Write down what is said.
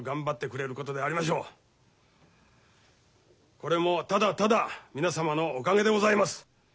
これもただただ皆様のおかげでございます。